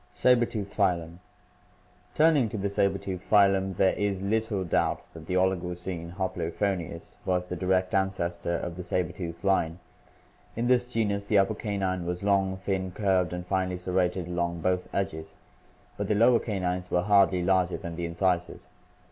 Saber tooth Phylum. — Turning to the saber tooth phylum, there is little doubt that the Oligocene Hoplophoncus (Figs. 184, B; 186; PI. XIX) was the direct ancestor of the saber tooth line. In this genus the upper canine was long, thin, curved, and finely serrated along both edges, but the lower canines were hardly larger than the incisors.